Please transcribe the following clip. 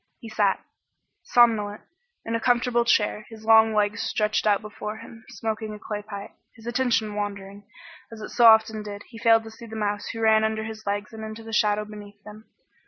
He sat, somnolent, in a comfortable chair, his long legs stretched out before him, smoking a clay pipe. His attention wandering, as it so often did, he failed to see the mouse who ran under his legs into the shadow beneath them.